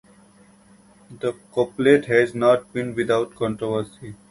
The couplet has not been without controversy.